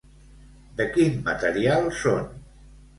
De quin material són?